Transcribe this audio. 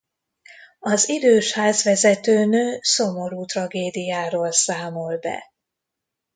Az idős házvezetőnő szomorú tragédiáról számol be.